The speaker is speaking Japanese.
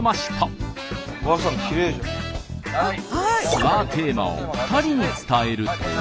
ツアーテーマを２人に伝えると。